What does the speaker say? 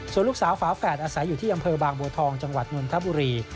ส่วนลูกสาวฝาแฝดอาศัยอยู่ที่อำเภอบางบัวทองจังหวัดนนทบุรี